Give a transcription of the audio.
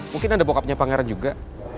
mungkin ada bockupnya pangeran juga